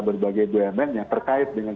berbagai bumn yang terkait dengan